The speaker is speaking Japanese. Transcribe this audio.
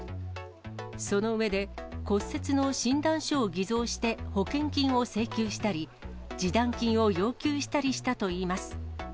その上で、骨折の診断書を偽造して、保険金を請求したり、示談金を要求したりしたといいます。